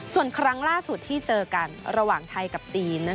ส่วนครั้งล่าสุดที่เจอกันระหว่างไทยกับจีน